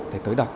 để tới đọc